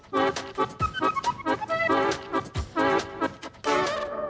ไปไหน